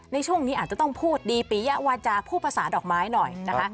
ในช่วงนี้อาจจะต้องพูดดีปียะวาจาพูดภาษาดอกไม้หน่อยนะคะ